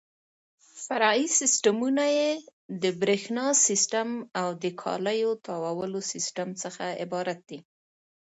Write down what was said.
فرعي سیسټمونه یې د برېښنا سیسټم او د کالیو تاوولو سیسټم څخه عبارت دي.